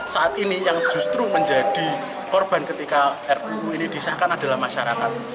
saat ini yang justru menjadi korban ketika ruu ini disahkan adalah masyarakat